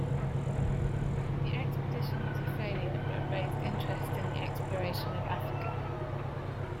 The expedition was a failure but raised interest in the exploration of Africa.